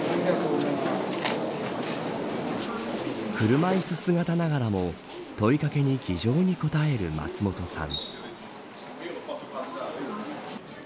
車いす姿ながらも問い掛けに気丈に応える松本さん。